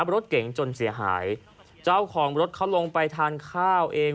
รถเก๋งจนเสียหายเจ้าของรถเขาลงไปทานข้าวเอง